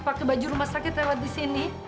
pakai baju rumah sakit lewat di sini